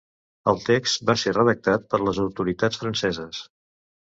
El text va ser redactat per les autoritats franceses.